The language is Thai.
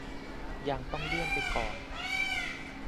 ยังต้องเลื่อนออกไปก่อน